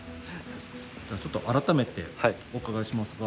ちょっと改めてお伺いしますが